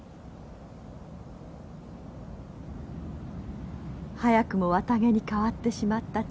早くも綿毛に変わってしまったチングルマ。